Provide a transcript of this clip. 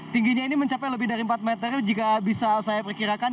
tingginya ini mencapai lebih dari empat meter jika bisa saya perkirakan